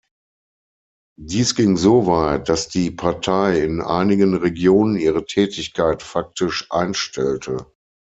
Dies ging so weit, dass die Partei in einigen Regionen ihre Tätigkeit faktisch einstellte.